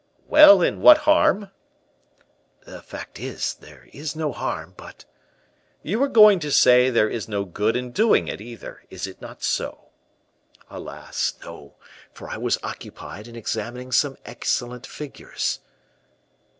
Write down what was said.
"Well, and what harm?" "The fact is, there is no harm, but " "You were going to say there is no good in doing it either, is it not so?" "Alas! no; for I was occupied in examining some excellent figures."